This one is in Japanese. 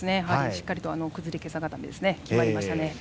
しっかりと崩れけさ固めが決まりましたね。